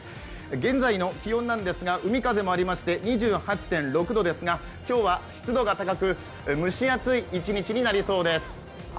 現在の気温なんですが海風もありまして、２８．６度なんですが、今日は湿度が高く、蒸し暑い一日になりそうです。